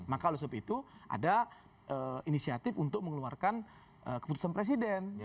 maka oleh sebab itu ada inisiatif untuk mengeluarkan keputusan presiden